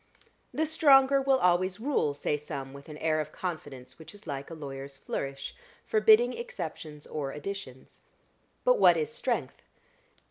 The stronger will always rule, say some, with an air of confidence which is like a lawyer's flourish, forbidding exceptions or additions. But what is strength?